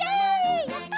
やった！